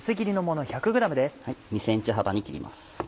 ２ｃｍ幅に切ります。